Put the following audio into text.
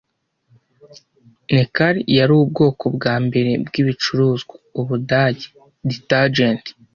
Nekal yari ubwoko bwambere bwibicuruzwa (Ubudage ) Detergent